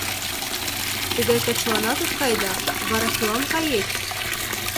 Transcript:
Тыгай качыланат от кай да, вара кӧлан кает?